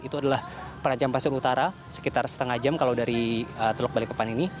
itu adalah penajam pasir utara sekitar setengah jam kalau dari teluk balikpapan ini